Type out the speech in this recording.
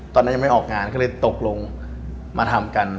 ตอนนี้ยังไม่ออกงานตกลงมาทำกัน